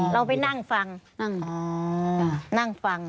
เราไปนั่งฟัง